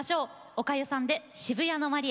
おかゆさんで「渋谷のマリア」。